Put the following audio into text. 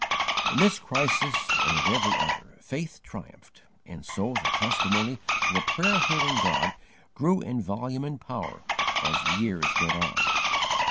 In this crisis, and in every other, faith triumphed, and so the testimony to a prayer hearing God grew in volume and power as the years went on.